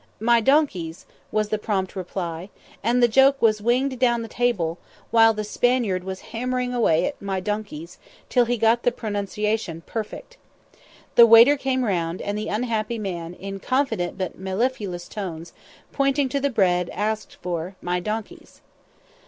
"My donkeys," was the prompt reply, and the joke was winked down the table, while the Spaniard was hammering away at "My donkeys" till he got the pronunciation perfect. The waiter came round, and the unhappy man, in confident but mellifluous tones, pointing to the bread, asked for "My donkeys."